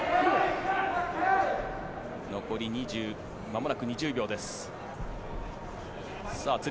残りまもなく２０秒です。